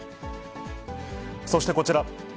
そしてこちら。